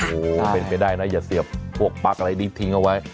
โอ้โหเป็นไปได้นะอย่าเสียบพวกปั๊กอะไรนี้ทิ้งเอาไว้